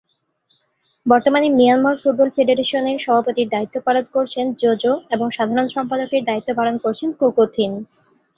বর্তমানে Myanmar football ফেডারেশনের সভাপতির দায়িত্ব পালন করছেন জো জো এবং সাধারণ সম্পাদকের দায়িত্ব পালন করছেন কো কো থিন।